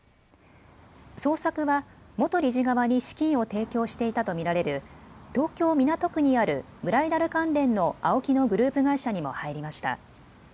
捜索は元理事側に資金を提供していたと見られる東京港区にあるブライダル関連のＡＯＫＩのグループ会社にも入りました。